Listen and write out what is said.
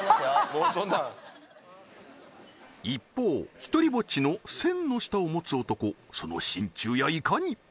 もうそんなん一方独りぼっちの千の舌を持つ男その心中やいかに？